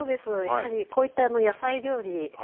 やはりこういった野菜料理